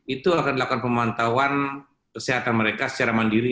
itu akan dilakukan pemantauan kesehatan mereka secara mandiri